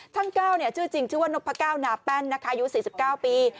ช่างก้าวชื่อจริงชื่อว่านกพะก้าวนาแป้นนะคะอยู่๔๙ปี